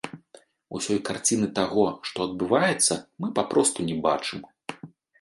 Усёй карціны таго, што адбываецца, мы папросту не бачым.